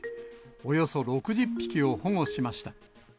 およそ６０匹を保護しました。